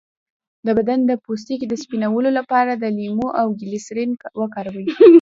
د بدن د پوستکي د سپینولو لپاره د لیمو او ګلسرین وکاروئ